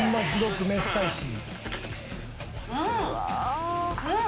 すごい！